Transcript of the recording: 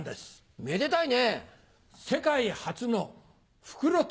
めでたいね。